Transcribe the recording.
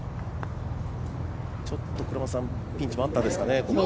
ちょっとピンチもあったんですかね。